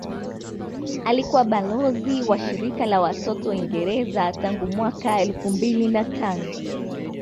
Alikuwa balozi wa shirika la watoto Uingereza tangu mwaka mwaka elfu mbili na tano